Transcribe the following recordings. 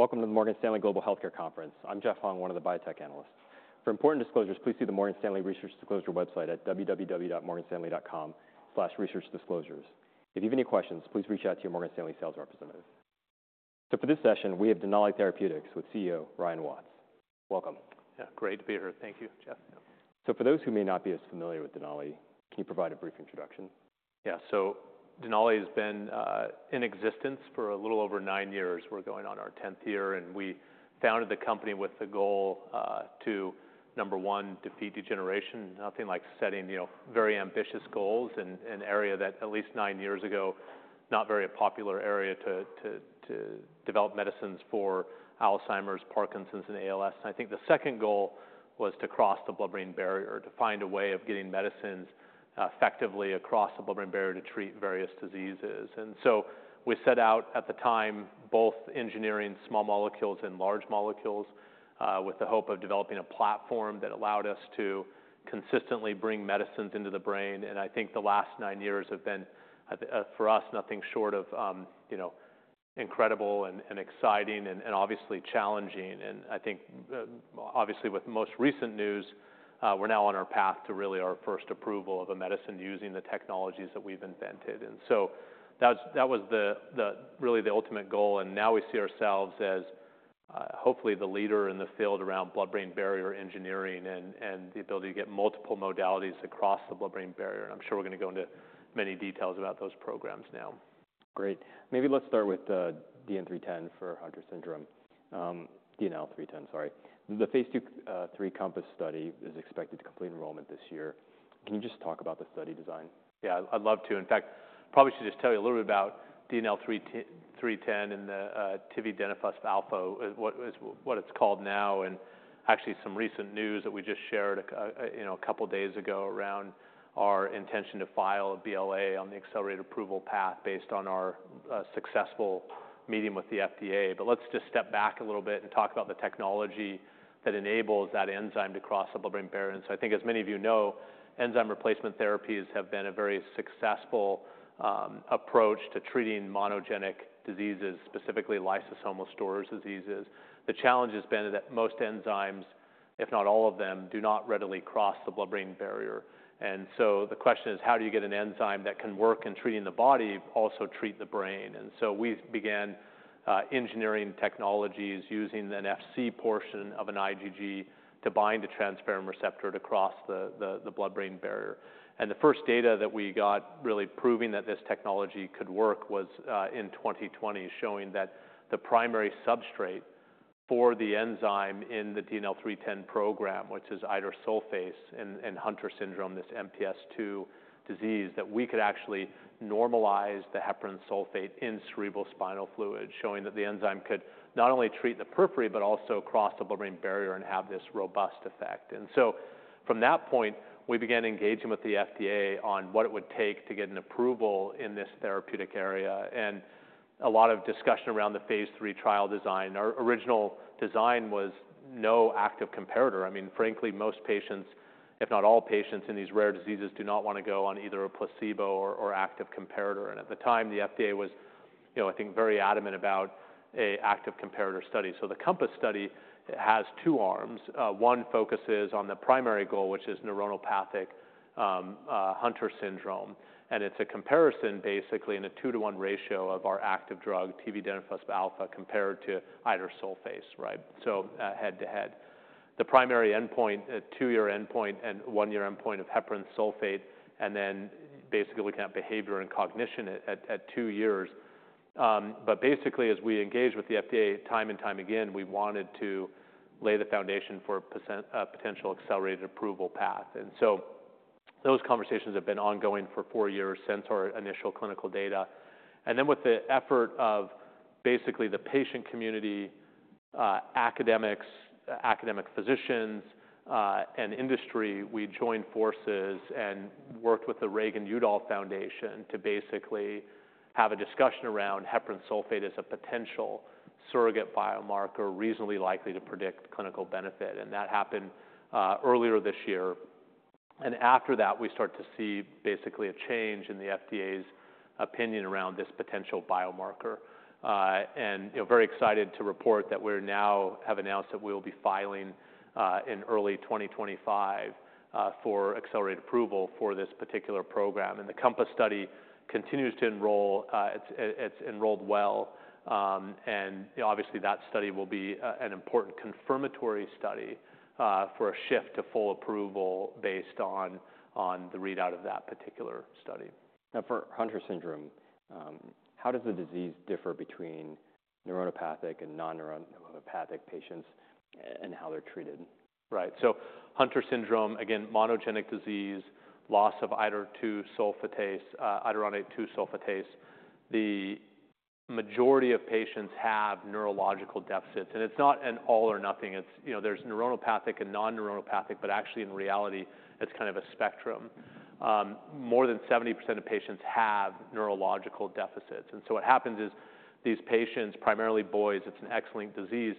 Welcome to the Morgan Stanley Global Healthcare Conference. I'm Jeff Hung, one of the Biotech Analysts. For important disclosures, please see the Morgan Stanley Research Disclosure website at www.morganstanley.com/researchdisclosures. If you have any questions, please reach out to your Morgan Stanley sales representative, so for this session, we have Denali Therapeutics with CEO, Ryan Watts. Welcome. Yeah, great to be here. Thank you, Jeff. So for those who may not be as familiar with Denali, can you provide a brief introduction? Yeah. So Denali has been in existence for a little over nine years. We're going on our tenth year, and we founded the company with the goal to number one, defeat degeneration. Nothing like setting, you know, very ambitious goals in an area that, at least nine years ago, not very popular area to develop medicines for Alzheimer's, Parkinson's, and ALS. And I think the second goal was to cross the blood-brain barrier, to find a way of getting medicines effectively across the blood-brain barrier to treat various diseases. And so we set out, at the time, both engineering small molecules and large molecules with the hope of developing a platform that allowed us to consistently bring medicines into the brain. And I think the last nine years have been for us nothing short of, you know, incredible and exciting and obviously challenging. I think obviously with the most recent news, we're now on our path to really our first approval of a medicine using the technologies that we've invented. And so that was the ultimate goal, and now we see ourselves as hopefully the leader in the field around blood-brain barrier engineering and the ability to get multiple modalities across the blood-brain barrier. I'm sure we're gonna go into many details about those programs now. Great. Maybe let's start with DNL310 for Hunter Syndrome. DNL310, sorry. The phase II/3 COMPASS study is expected to complete enrollment this year. Can you just talk about the study design? Yeah, I'd love to. In fact, probably should just tell you a little bit about DNL310 and the tividenofusp alfa, is what it's called now, and actually some recent news that we just shared, you know, a couple of days ago around our intention to file a BLA on the accelerated approval path based on our successful meeting with the FDA. But let's just step back a little bit and talk about the technology that enables that enzyme to cross the blood-brain barrier. And so I think as many of you know, enzyme replacement therapies have been a very successful approach to treating monogenic diseases, specifically lysosomal storage diseases. The challenge has been that most enzymes, if not all of them, do not readily cross the blood-brain barrier. The question is: how do you get an enzyme that can work in treating the body, also treat the brain? We began engineering technologies using the Fc portion of an IgG to bind a transferrin receptor to cross the blood-brain barrier. The first data that we got really proving that this technology could work was in 2020, showing that the primary substrate for the enzyme in the DNL310 program, which is idursulfase and Hunter syndrome, this MPS II disease, that we could actually normalize the heparan sulfate in cerebrospinal fluid, showing that the enzyme could not only treat the periphery, but also cross the blood-brain barrier and have this robust effect. And so from that point, we began engaging with the FDA on what it would take to get an approval in this therapeutic area, and a lot of discussion around the phase III trial design. Our original design was no active comparator. I mean, frankly, most patients, if not all patients in these rare diseases, do not want to go on either a placebo or active comparator. And at the time, the FDA was, you know, I think, very adamant about a active comparator study. So the COMPASS study has two arms. One focuses on the primary goal, which is neuronopathic Hunter syndrome, and it's a comparison, basically, in a two-to-one ratio of our active drug, tividenofusp alfa, compared to idursulfase, right? So, head-to-head. The primary endpoint, a two-year endpoint and one-year endpoint of heparan sulfate, and then basically looking at behavior and cognition at two years, but basically, as we engaged with the FDA time and time again, we wanted to lay the foundation for a potential accelerated approval path, and so those conversations have been ongoing for four years since our initial clinical data, and then with the effort of basically the patient community, academics, academic physicians, and industry, we joined forces and worked with the Reagan-Udall Foundation to basically have a discussion around heparan sulfate as a potential surrogate biomarker, reasonably likely to predict clinical benefit, and that happened earlier this year, and after that, we start to see basically a change in the FDA's opinion around this potential biomarker. You know, very excited to report that we're now have announced that we will be filing in early 2025 for accelerated approval for this particular program. The COMPASS study continues to enroll. It's enrolled well, and obviously that study will be an important confirmatory study for a shift to full approval based on the readout of that particular study. Now, for Hunter syndrome, how does the disease differ between neuronopathic and non-neuronopathic patients and how they're treated? Right. So Hunter syndrome, again, monogenic disease, loss of iduronate-2-sulfatase. The majority of patients have neurological deficits, and it's not an all or nothing. It's, you know, there's neuronopathic and non-neuronopathic, but actually, in reality, it's kind of a spectrum. More than 70% of patients have neurological deficits. And so what happens is these patients, primarily boys, it's an X-linked disease,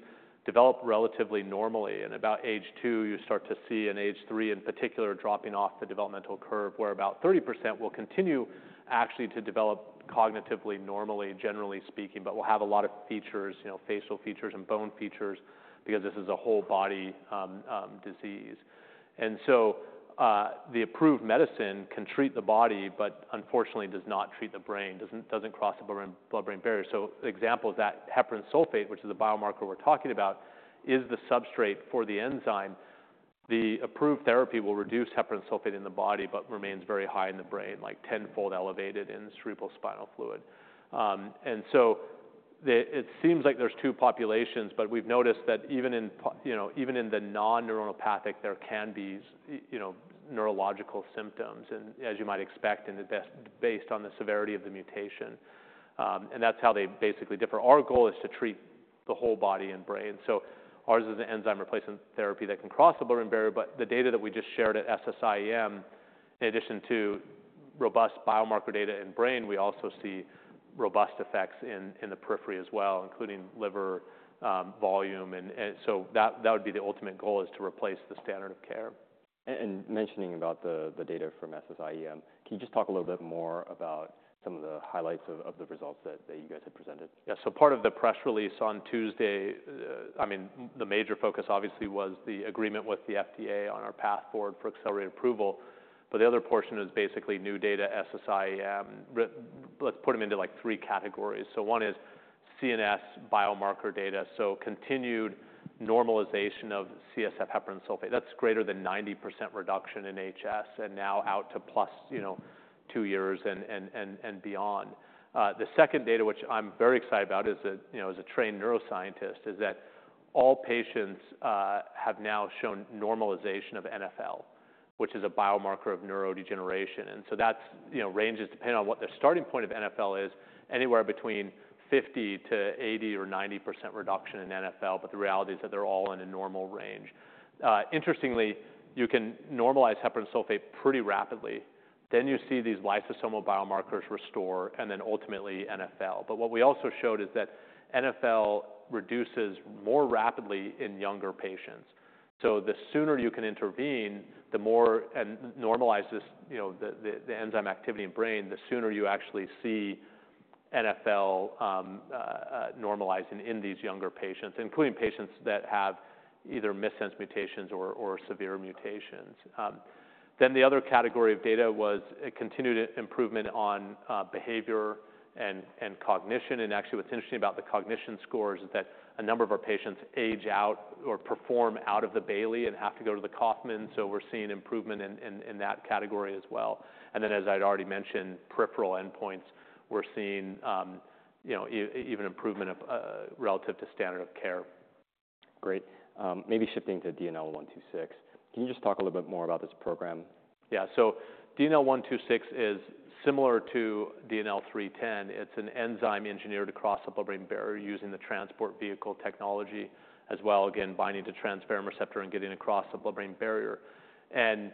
develop relatively normally, and about age two, you start to see, in age three in particular, dropping off the developmental curve, where about 30% will continue actually to develop cognitively normally, generally speaking, but will have a lot of features, you know, facial features and bone features, because this is a whole body disease. And so, the approved medicine can treat the body, but unfortunately does not treat the brain, doesn't cross the blood-brain barrier. So, example of that, heparan sulfate, which is a biomarker we're talking about, is the substrate for the enzyme. The approved therapy will reduce heparan sulfate in the body, but remains very high in the brain, like tenfold elevated in cerebrospinal fluid. And so it seems like there's two populations, but we've noticed that even in you know, even in the non-neuropathic, there can be you know, neurological symptoms, and as you might expect, based on the severity of the mutation. And that's how they basically differ. Our goal is to treat the whole body and brain. So ours is an enzyme replacement therapy that can cross the blood-brain barrier, but the data that we just shared at SSIEM, in addition to robust biomarker data in brain, we also see robust effects in the periphery as well, including liver volume. And so that would be the ultimate goal, is to replace the standard of care. Mentioning about the data from SSIEM, can you just talk a little bit more about some of the highlights of the results that you guys had presented? Yeah. So part of the press release on Tuesday, I mean, the major focus obviously was the agreement with the FDA on our path forward for accelerated approval, but the other portion is basically new data from the COMPASS. Let's put them into, like, three categories. So one is CNS biomarker data, so continued normalization of CSF heparan sulfate. That's greater than 90% reduction in HS, and now out to plus, you know, two years and beyond. The second data, which I'm very excited about, is that, you know, as a trained neuroscientist, is that all patients have now shown normalization of NfL, which is a biomarker of neurodegeneration. So that's, you know, ranges depending on what the starting point of NfL is, anywhere between 50% to 80% or 90% reduction in NfL, but the reality is that they're all in a normal range. Interestingly, you can normalize heparan sulfate pretty rapidly, then you see these lysosomal biomarkers restore, and then ultimately NfL. But what we also showed is that NfL reduces more rapidly in younger patients. The sooner you can intervene, the more... and normalizes, you know, the enzyme activity in brain, the sooner you actually see NfL normalizing in these younger patients, including patients that have either missense mutations or severe mutations. Then the other category of data was a continued improvement on behavior and cognition. Actually, what's interesting about the cognition scores is that a number of our patients age out or perform out of the Bayley and have to go to the Kaufman, so we're seeing improvement in that category as well. Then, as I'd already mentioned, peripheral endpoints, we're seeing, you know, even improvement relative to standard of care. Great. Maybe shifting to DNL126. Can you just talk a little bit more about this program? Yeah. So DNL126 is similar to DNL310. It's an enzyme engineered to cross the blood-brain barrier using the transport vehicle technology as well, again, binding to transferrin receptor and getting across the blood-brain barrier. And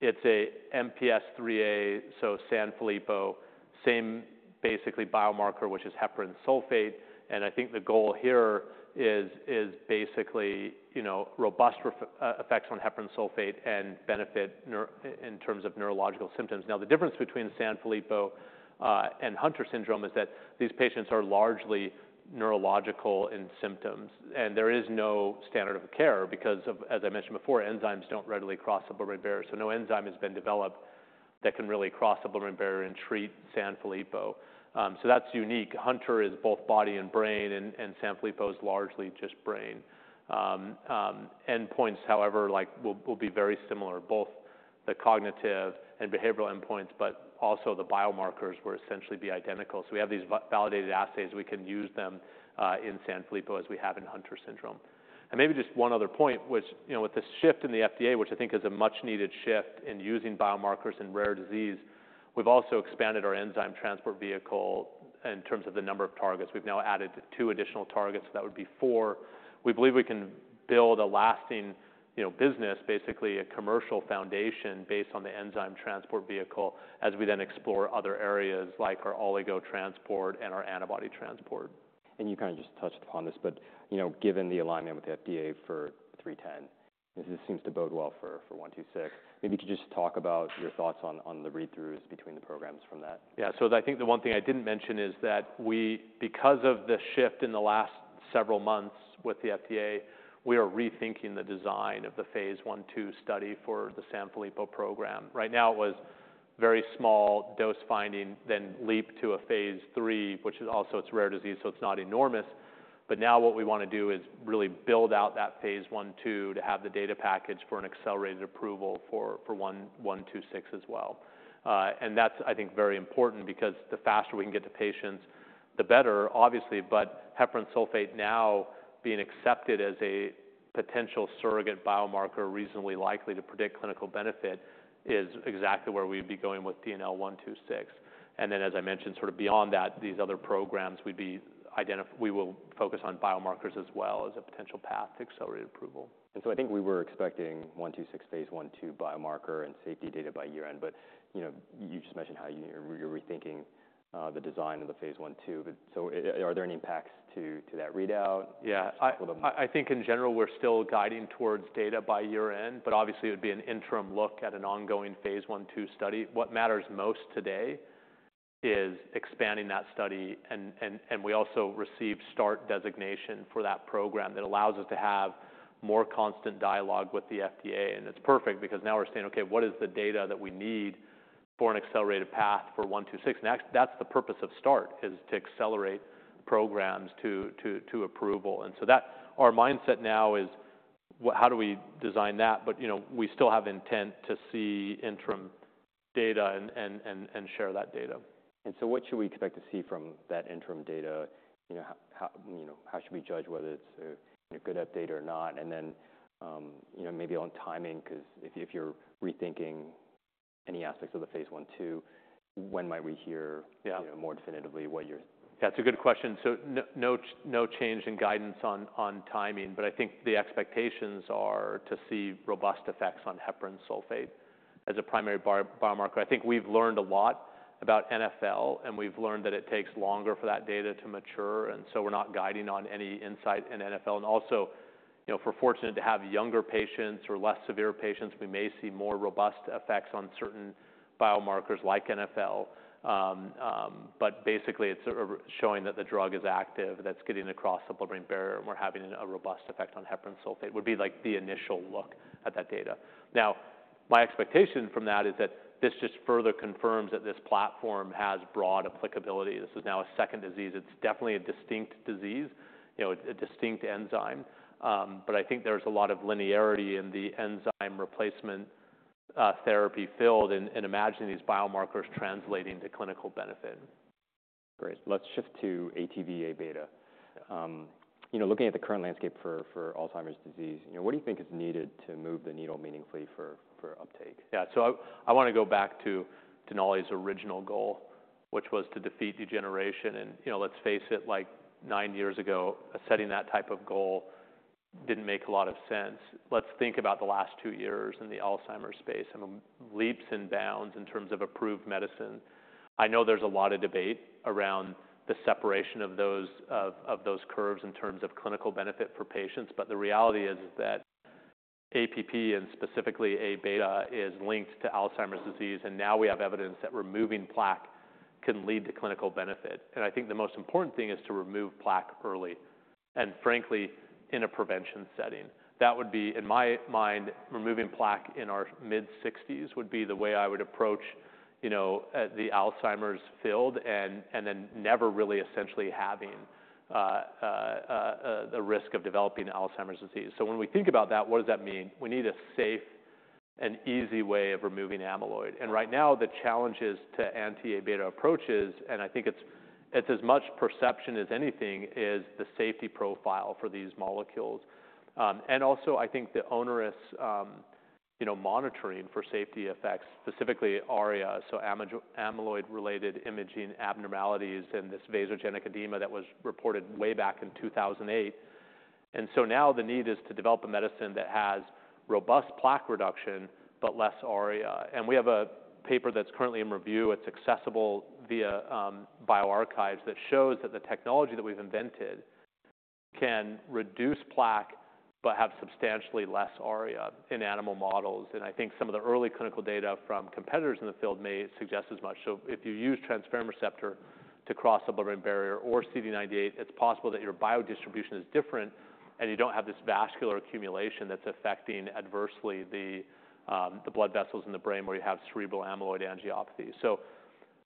it's a MPS IIIA, so Sanfilippo, same basically biomarker, which is heparan sulfate. And I think the goal here is basically, you know, robust effects on heparan sulfate and benefit in terms of neurological symptoms. Now, the difference between Sanfilippo and Hunter syndrome is that these patients are largely neurological in symptoms, and there is no standard of care because of, as I mentioned before, enzymes don't readily cross the blood-brain barrier. So no enzyme has been developed that can really cross the blood-brain barrier and treat Sanfilippo. So that's unique. Hunter is both body and brain, and Sanfilippo is largely just brain. Endpoints, however, like, will be very similar, both the cognitive and behavioral endpoints, but also the biomarkers will essentially be identical, so we have these validated assays, we can use them in Sanfilippo as we have in Hunter syndrome, and maybe just one other point, which, you know, with this shift in the FDA, which I think is a much needed shift in using biomarkers in rare disease, we've also expanded our enzyme transport vehicle in terms of the number of targets. We've now added two additional targets, so that would be four. We believe we can build a lasting, you know, business, basically a commercial foundation, based on the enzyme transport vehicle, as we then explore other areas like our oligo transport and our antibody transport. You kind of just touched upon this but, you know, given the alignment with the FDA for DNL310, this seems to bode well for DNL126. Maybe you could just talk about your thoughts on the read-throughs between the programs from that. Yeah. So I think the one thing I didn't mention is that we, because of the shift in the last several months with the FDA, we are rethinking the design of the phase I/II study for the Sanfilippo program. Right now, it was very small dose finding, then leap to a phase III, which is also, it's rare disease, so it's not enormous. But now what we wanna do is really build out that phase I/II to have the data package for an accelerated approval for DNL126 as well. And that's, I think, very important because the faster we can get to patients, the better, obviously. But heparan sulfate now being accepted as a potential surrogate biomarker, reasonably likely to predict clinical benefit, is exactly where we'd be going with DNL126. And then, as I mentioned, sort of beyond that, these other programs would be identical. We will focus on biomarkers as well as a potential path to accelerated approval. And so I think we were expecting DNL126 phase I/II biomarker and safety data by year-end, but you know, you just mentioned how you're rethinking the design of the phase I/II. But so are there any impacts to that readout? Yeah. Just a little- I think in general, we're still guiding towards data by year-end, but obviously, it would be an interim look at an ongoing phase I/II study. What matters most today is expanding that study, and we also received START designation for that program. That allows us to have more constant dialogue with the FDA, and it's perfect because now we're saying, "Okay, what is the data that we need for an accelerated path for DNL126?" And actually, that's the purpose of START, is to accelerate programs to approval. Our mindset now is how do we design that. You know, we still have intent to see interim data and share that data. So what should we expect to see from that interim data? You know, how, you know, how should we judge whether it's a good update or not? Then, you know, maybe on timing, 'cause if you're rethinking any aspects of the phase one two, when might we hear- Yeah... more definitively what you're- That's a good question. So no change in guidance on timing, but I think the expectations are to see robust effects on heparan sulfate as a primary biomarker. I think we've learned a lot about NfL, and we've learned that it takes longer for that data to mature, and so we're not guiding on any insight in NfL. Also, you know, if we're fortunate to have younger patients or less severe patients, we may see more robust effects on certain biomarkers like NfL. But basically, it's showing that the drug is active, that it's getting across the blood-brain barrier, and we're having a robust effect on heparan sulfate, would be like the initial look at that data. Now, my expectation from that is that this just further confirms that this platform has broad applicability. This is now a second disease. It's definitely a distinct disease, you know, a distinct enzyme, but I think there's a lot of linearity in the enzyme replacement therapy field, and imagining these biomarkers translating to clinical benefit. Great. Let's shift to ATV:Aβ. You know, looking at the current landscape for Alzheimer's disease, you know, what do you think is needed to move the needle meaningfully for uptake? Yeah, so I wanna go back to Denali's original goal, which was to defeat degeneration. You know, let's face it, like, nine years ago, setting that type of goal didn't make a lot of sense. Let's think about the last two years in the Alzheimer's space, and leaps and bounds in terms of approved medicine. I know there's a lot of debate around the separation of those curves in terms of clinical benefit for patients, but the reality is that APP, and specifically A-beta, is linked to Alzheimer's disease, and now we have evidence that removing plaque can lead to clinical benefit. I think the most important thing is to remove plaque early, and frankly, in a prevention setting. That would be, in my mind, removing plaque in our mid-sixties would be the way I would approach, you know, the Alzheimer's field, and then never really essentially having a risk of developing Alzheimer's disease. So when we think about that, what does that mean? We need a safe and easy way of removing amyloid. And right now, the challenge is to anti-A-beta approaches, and I think it's as much perception as anything is the safety profile for these molecules. And also I think the onerous, you know, monitoring for safety effects, specifically ARIA, amyloid-related imaging abnormalities, and this vasogenic edema that was reported way back in two thousand and eight. And so now the need is to develop a medicine that has robust plaque reduction, but less ARIA. And we have a paper that's currently in review. It's accessible via bioRxiv, that shows that the technology that we've invented can reduce plaque but have substantially less ARIA in animal models. And I think some of the early clinical data from competitors in the field may suggest as much. So if you use transferrin receptor to cross the blood-brain barrier or CD98, it's possible that your biodistribution is different, and you don't have this vascular accumulation that's affecting adversely the blood vessels in the brain, where you have cerebral amyloid angiopathy. So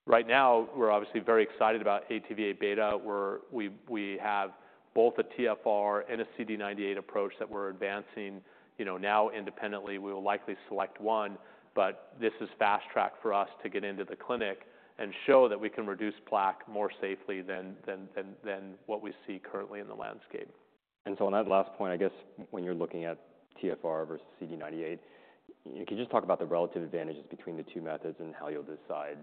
right now, we're obviously very excited about ATV:Aβ, where we have both a TFR and a CD98 approach that we're advancing, you know, now independently. We will likely select one, but this is fast track for us to get into the clinic and show that we can reduce plaque more safely than what we see currently in the landscape. And so on that last point, I guess when you're looking at TFR versus CD98, can you just talk about the relative advantages between the two methods and how you'll decide-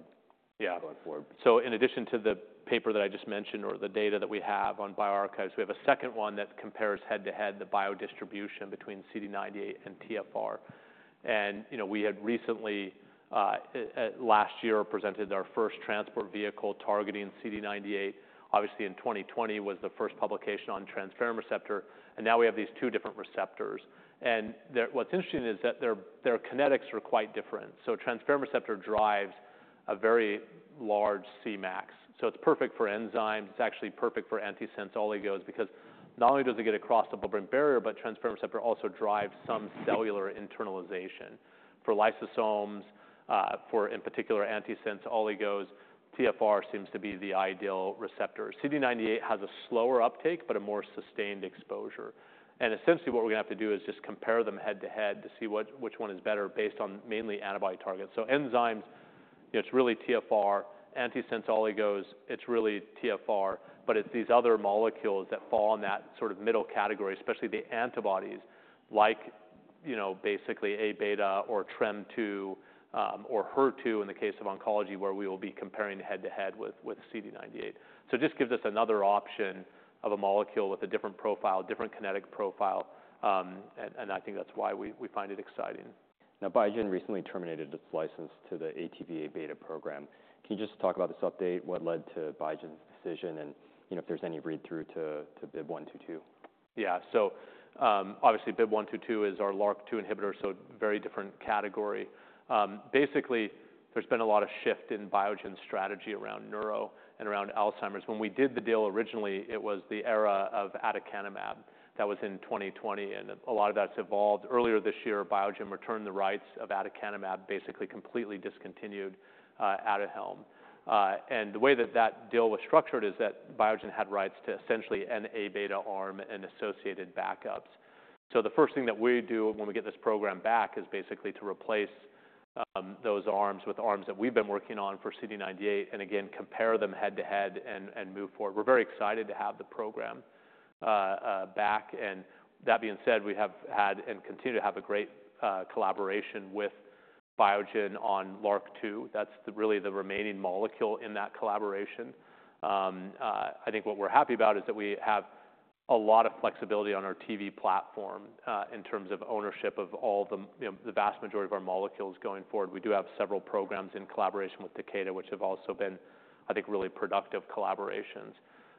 Yeah... going forward? In addition to the paper that I just mentioned or the data that we have on bioRxiv, we have a second one that compares head-to-head the biodistribution between CD98 and TFR. And, you know, we had recently last year presented our first transport vehicle targeting CD98. Obviously, in twenty twenty was the first publication on transferrin receptor, and now we have these two different receptors. And the... What's interesting is that their kinetics are quite different. So transferrin receptor drives a very large Cmax, so it's perfect for enzymes. It's actually perfect for antisense oligos, because not only does it get across the blood-brain barrier, but transferrin receptor also drives some cellular internalization. For lysosomes, for, in particular, antisense oligos, TFR seems to be the ideal receptor. CD98 has a slower uptake but a more sustained exposure. Essentially, what we're gonna have to do is just compare them head-to-head to see which one is better based on mainly antibody targets. Enzymes, it's really TFR; antisense oligos, it's really TFR. It's these other molecules that fall in that sort of middle category, especially the antibodies like, you know, basically A-beta or TREM2, or HER2 in the case of oncology, where we will be comparing head-to-head with CD98. It just gives us another option of a molecule with a different profile, different kinetic profile, and I think that's why we find it exciting. Now, Biogen recently terminated its license to the ATV:Aβ program. Can you just talk about this update, what led to Biogen's decision, and, you know, if there's any read-through to BIIB122? Yeah. So, obviously, BIIB122 is our LRRK2 inhibitor, so very different category. Basically, there's been a lot of shift in Biogen's strategy around neuro and around Alzheimer's. When we did the deal originally, it was the era of aducanumab that was in 2020, and a lot of that's evolved. Earlier this year, Biogen returned the rights of aducanumab, basically completely discontinued Aduhelm. And the way that that deal was structured is that Biogen had rights to essentially an A-beta arm and associated backups. The first thing that we do when we get this program back is basically to replace those arms with arms that we've been working on for CD98, and again, compare them head-to-head and move forward. We're very excited to have the program back. That being said, we have had, and continue to have, a great collaboration with Biogen on LRRK2. That's really the remaining molecule in that collaboration. I think what we're happy about is that we have a lot of flexibility on our TV platform in terms of ownership of all the, you know, the vast majority of our molecules going forward. We do have several programs in collaboration with Takeda, which have also been, I think, really productive collaborations.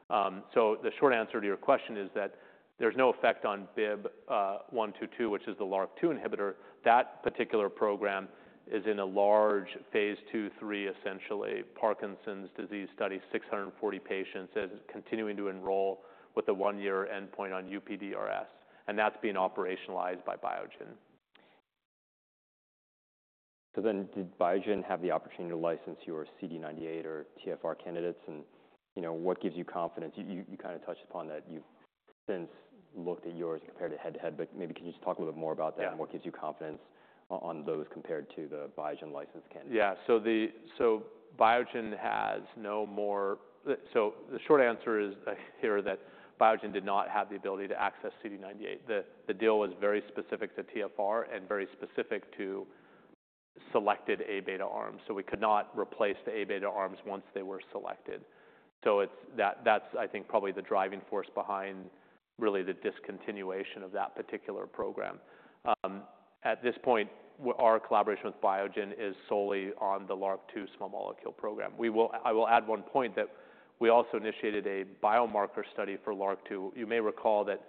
So the short answer to your question is that there's no effect on BIIB122, which is the LRRK2 inhibitor. That particular program is in a large phase II/III, essentially, Parkinson's disease study, 640 patients, and continuing to enroll with a one-year endpoint on UPDRS, and that's being operationalized by Biogen. So then, did Biogen have the opportunity to license your CD98 or TFR candidates? And, you know, what gives you confidence? You kinda touched upon that you've since looked at yours compared it head-to-head, but maybe can you just talk a little bit more about that? Yeah. What gives you confidence on those compared to the Biogen license candidates? Yeah. So Biogen has no more. So the short answer is that Biogen did not have the ability to access CD98. The deal was very specific to TFR and very specific to selected A-beta arms, so we could not replace the A-beta arms once they were selected. So it's that, I think, probably the driving force behind really the discontinuation of that particular program. At this point, our collaboration with Biogen is solely on the LRRK2 small molecule program. I will add one point, that we also initiated a biomarker study for LRRK2. You may recall that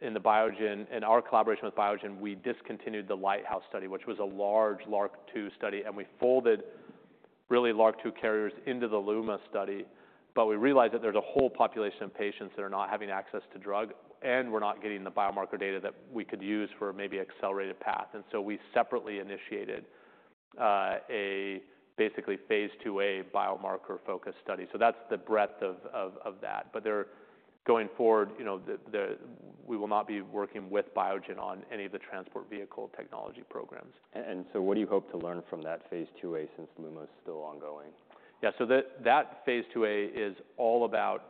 in the Biogen, in our collaboration with Biogen, we discontinued the Lighthouse study, which was a large LRRK2 study, and we folded really LRRK2 carriers into the LUMA study. But we realized that there's a whole population of patients that are not having access to drug, and we're not getting the biomarker data that we could use for maybe an accelerated path. And so we separately initiated a basically phase IIa biomarker focus study. So that's the breadth of that. But... Going forward, you know, we will not be working with Biogen on any of the transport vehicle technology programs. What do you hope to learn from that phase IIa, since LUMA is still ongoing? Yeah. So that phase IIa is all about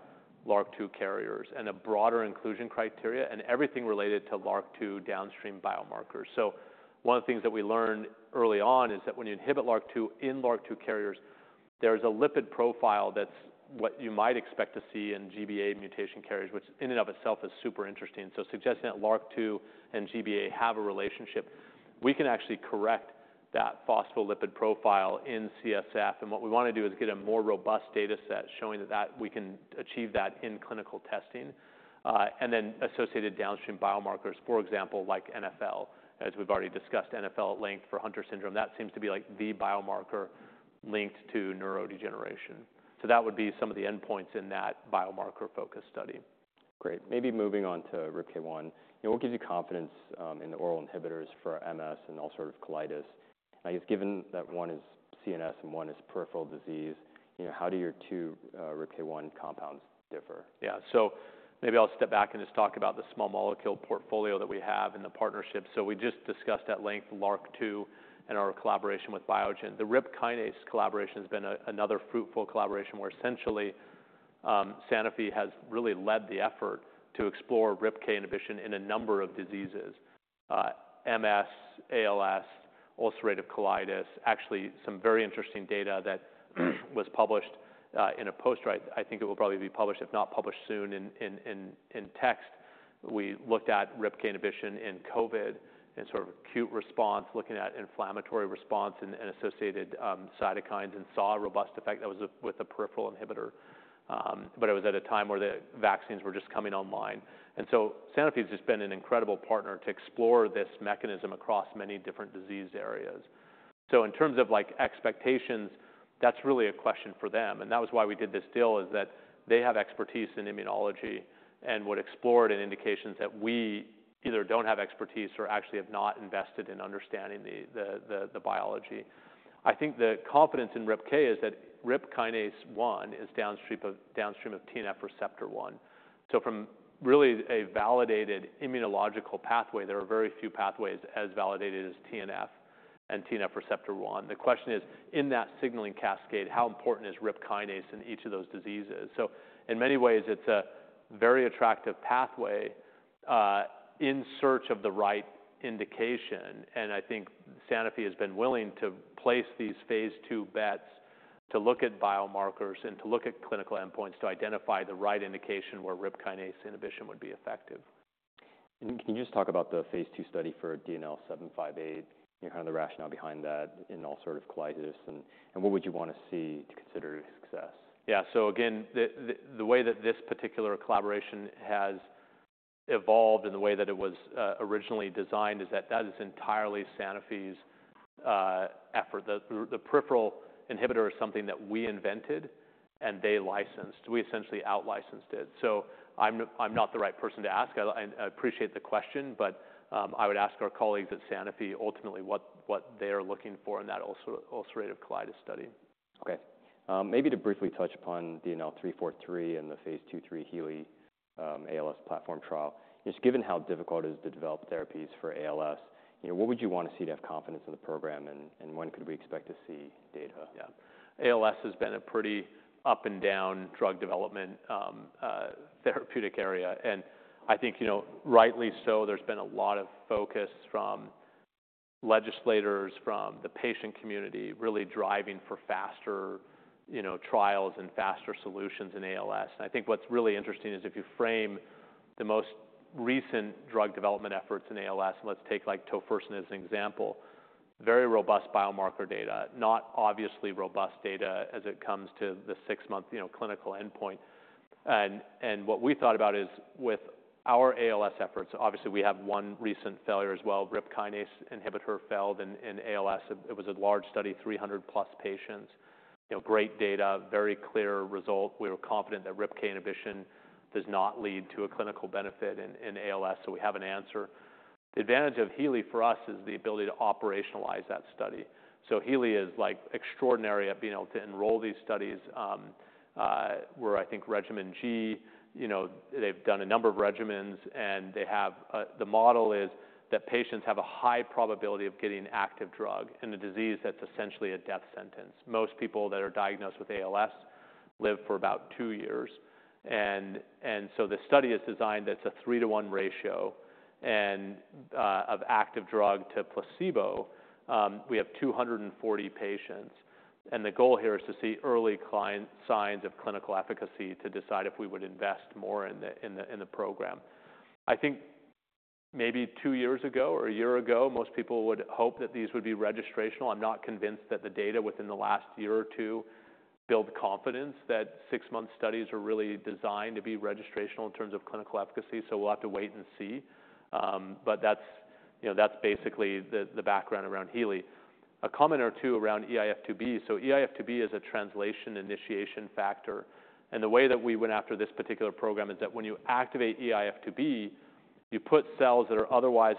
LRRK2 carriers, and a broader inclusion criteria, and everything related to LRRK2 downstream biomarkers. So one of the things that we learned early on is that when you inhibit LRRK2 in LRRK2 carriers, there's a lipid profile that's what you might expect to see in GBA mutation carriers, which in and of itself is super interesting, so suggesting that LRRK2 and GBA have a relationship. We can actually correct that phospholipid profile in CSF, and what we wanna do is get a more robust data set showing that we can achieve that in clinical testing, and then associated downstream biomarkers, for example, like NfL. As we've already discussed, NfL at length for Hunter syndrome, that seems to be, like, the biomarker linked to neurodegeneration. So that would be some of the endpoints in that biomarker-focused study. Great. Maybe moving on to RIPK1. You know, what gives you confidence in the oral inhibitors for MS and ulcerative colitis? I guess given that one is CNS and one is peripheral disease, you know, how do your two RIPK1 compounds differ? Yeah. So maybe I'll step back and just talk about the small molecule portfolio that we have and the partnerships. So we just discussed at length LRRK2 and our collaboration with Biogen. The RIP kinase collaboration has been another fruitful collaboration, where essentially, Sanofi has really led the effort to explore RIPK inhibition in a number of diseases: MS, ALS, ulcerative colitis. Actually, some very interesting data that was published in a post, right? I think it will probably be published, if not published soon, in text. We looked at RIPK inhibition in COVID, in sort of acute response, looking at inflammatory response and associated cytokines, and saw a robust effect that was with a peripheral inhibitor. But it was at a time where the vaccines were just coming online. Sanofi has just been an incredible partner to explore this mechanism across many different disease areas. In terms of, like, expectations, that's really a question for them, and that was why we did this deal, is that they have expertise in immunology and would explore it in indications that we either don't have expertise or actually have not invested in understanding the biology. I think the confidence in RIPK is that RIP kinase one is downstream of TNF receptor one. From really a validated immunological pathway, there are very few pathways as validated as TNF and TNF receptor one. The question is, in that signaling cascade, how important is RIP kinase in each of those diseases? So in many ways, it's a very attractive pathway, in search of the right indication, and I think Sanofi has been willing to place these phase II bets to look at biomarkers and to look at clinical endpoints to identify the right indication where RIP kinase inhibition would be effective. Can you just talk about the phase II study for DNL758, you know, kind of the rationale behind that in ulcerative colitis, and what would you wanna see to consider it a success? Yeah. So again, the way that this particular collaboration has evolved and the way that it was originally designed is that that is entirely Sanofi's effort. The peripheral inhibitor is something that we invented and they licensed. We essentially out-licensed it. So I'm not the right person to ask. I appreciate the question, but I would ask our colleagues at Sanofi ultimately what they are looking for in that ulcerative colitis study. Okay. Maybe to briefly touch upon the DNL343 and the phase II/3 Healy ALS platform trial. Just given how difficult it is to develop therapies for ALS, you know, what would you want to see to have confidence in the program, and when could we expect to see data? Yeah. ALS has been a pretty up-and-down drug development, therapeutic area, and I think, you know, rightly so, there's been a lot of focus from legislators, from the patient community, really driving for faster, you know, trials and faster solutions in ALS. I think what's really interesting is if you frame the most recent drug development efforts in ALS, and let's take, like, tofersen as an example, very robust biomarker data, not obviously robust data as it comes to the six-month, you know, clinical endpoint. And what we thought about is with our ALS efforts, obviously we have one recent failure as well. RIP kinase inhibitor failed in ALS. It was a large study, 300-plus patients. You know, great data, very clear result. We were confident that RIPK inhibition does not lead to a clinical benefit in ALS, so we have an answer. The advantage of Healy for us is the ability to operationalize that study. So Healy is, like, extraordinary at being able to enroll these studies, where I think regimen G, you know, they've done a number of regimens, and they have a... The model is that patients have a high probability of getting active drug in a disease that's essentially a death sentence. Most people that are diagnosed with ALS live for about two years, and so the study is designed, that's a three-to-one ratio, and of active drug to placebo. We have 240 patients, and the goal here is to see early clinical signs of clinical efficacy to decide if we would invest more in the program. I think maybe two years ago or a year ago, most people would hope that these would be registrational. I'm not convinced that the data within the last year or two build confidence, that six-month studies are really designed to be registrational in terms of clinical efficacy, so we'll have to wait and see. But that's, you know, that's basically the background around Healy. A comment or two around eIF2B. So eIF2B is a translation initiation factor, and the way that we went after this particular program is that when you activate eIF2B, you put cells that are otherwise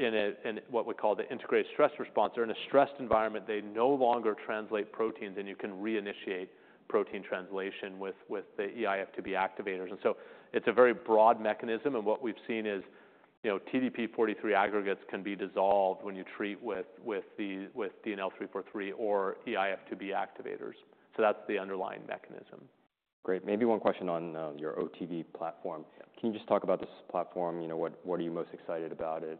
in a in what we call the integrated stress response. They're in a stressed environment, they no longer translate proteins, and you can reinitiate protein translation with the eIF2B activators. And so it's a very broad mechanism, and what we've seen is, you know, TDP-43 aggregates can be dissolved when you treat with DNL343 or eIF2B activators. So that's the underlying mechanism. Great. Maybe one question on your OTV platform. Yeah. Can you just talk about this platform? You know, what are you most excited about it,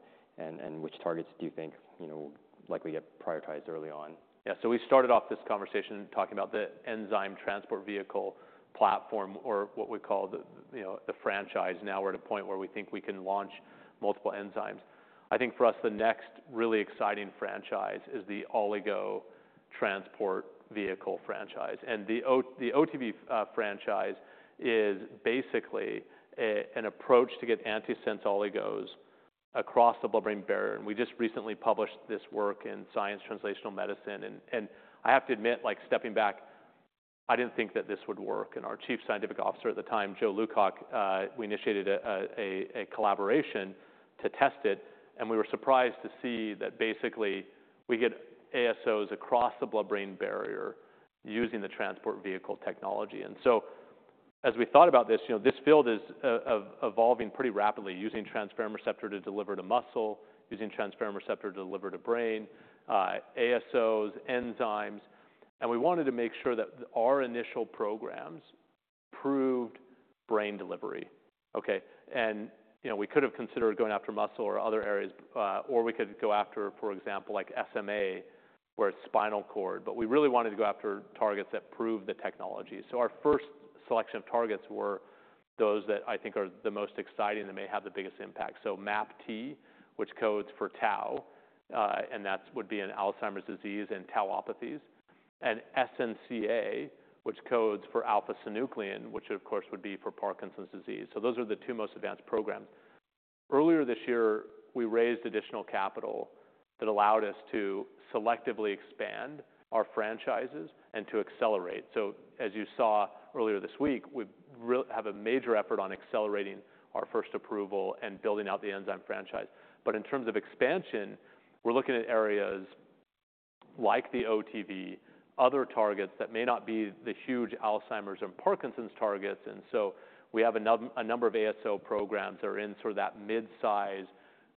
and which targets do you think, you know, will likely get prioritized early on? Yeah. So we started off this conversation talking about the enzyme transport vehicle platform, or what we call the, you know, the franchise. Now we're at a point where we think we can launch multiple enzymes. I think for us, the next really exciting franchise is the oligo transport vehicle franchise. And the O- the OTV franchise is basically a, an approach to get antisense oligos across the blood-brain barrier. And we just recently published this work in Science Translational Medicine. And I have to admit, like, stepping back, I didn't think that this would work. And our Chief Scientific Officer at the time, Joe Lewcock, we initiated a collaboration to test it, and we were surprised to see that basically we get ASOs across the blood-brain barrier using the transport vehicle technology. And so as we thought about this, you know, this field is evolving pretty rapidly, using transferrin receptor to deliver to muscle, using transferrin receptor to deliver to brain, ASOs, enzymes. And we wanted to make sure that our initial programs proved brain delivery, okay? And, you know, we could have considered going after muscle or other areas, or we could go after, for example, like SMA, where it's spinal cord. But we really wanted to go after targets that proved the technology. So our first selection of targets were those that I think are the most exciting and may have the biggest impact. So MAPT, which codes for tau, and that would be in Alzheimer's disease and tauopathies, and SNCA, which codes for alpha-synuclein, which of course would be for Parkinson's disease. So those are the two most advanced programs. Earlier this year, we raised additional capital that allowed us to selectively expand our franchises and to accelerate, so as you saw earlier this week, we have a major effort on accelerating our first approval and building out the enzyme franchise, but in terms of expansion, we're looking at areas like the OTV, other targets that may not be the huge Alzheimer's and Parkinson's targets, and so we have a number of ASO programs that are in sort of that mid-size,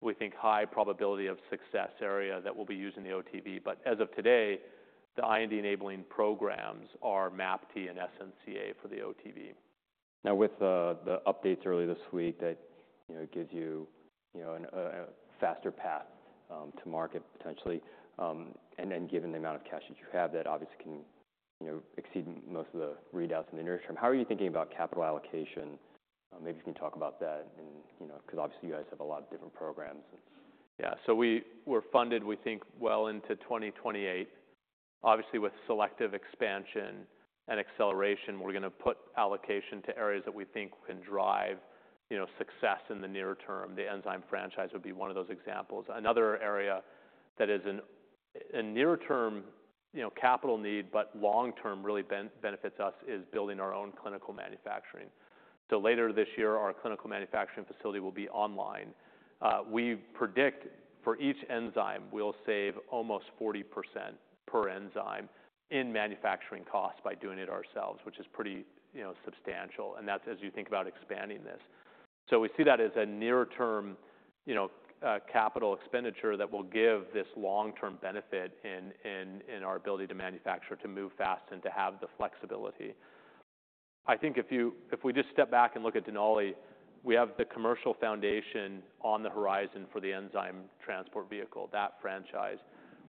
we think, high probability of success area that will be used in the OTV, but as of today, the IND-enabling programs are MAPT and SNCA for the OTV. Now, with the updates earlier this week, that you know gives you you know a faster path to market potentially. And then given the amount of cash that you have, that obviously can you know exceed most of the readouts in the near term. How are you thinking about capital allocation? Maybe you can talk about that and you know 'cause obviously you guys have a lot of different programs. Yeah. So we're funded, we think, well into 2028. Obviously, with selective expansion and acceleration, we're gonna put allocation to areas that we think can drive, you know, success in the nearer term. The enzyme franchise would be one of those examples. Another area that is a nearer term, you know, capital need but long term really benefits us, is building our own clinical manufacturing. So later this year, our clinical manufacturing facility will be online. We predict for each enzyme, we'll save almost 40% per enzyme in manufacturing costs by doing it ourselves, which is pretty, you know, substantial, and that's as you think about expanding this. So we see that as a nearer term, you know, capital expenditure that will give this long-term benefit in our ability to manufacture, to move fast, and to have the flexibility. I think if we just step back and look at Denali, we have the commercial foundation on the horizon for the enzyme transport vehicle, that franchise.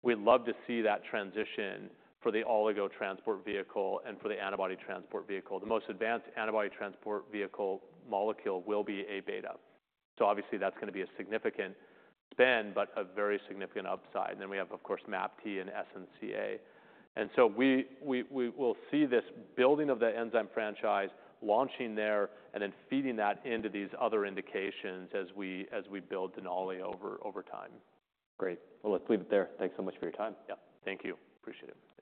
We'd love to see that transition for the oligo transport vehicle and for the antibody transport vehicle. The most advanced antibody transport vehicle molecule will be A-beta. So obviously, that's gonna be a significant spend, but a very significant upside. And then we have, of course, MAPT and SNCA. And so we will see this building of the enzyme franchise launching there and then feeding that into these other indications as we build Denali over time. Great. Well, let's leave it there. Thanks so much for your time. Yeah. Thank you. Appreciate it.